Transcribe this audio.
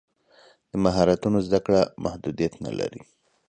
د مهارتونو زده کړه محدودیت نه لري.